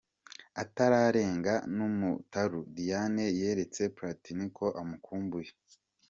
Atararenga n'umutaru Diane yeretse Platini ko amukumbuye.